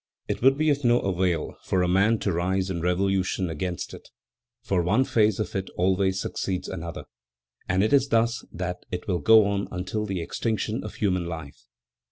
It would be of no avail for a man to rise in revolution against it, for one phase of it always succeeds another, and it is thus that it will go on until the extinction of human life.